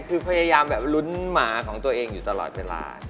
คือพยายามแบบลุ้นหมาของตัวเองอยู่ตลอดเวลา